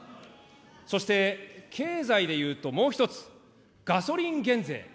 そして、経済で言うともう１つ、ガソリン減税。